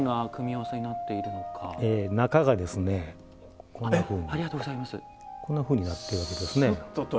中がこんなふうになっているわけですね。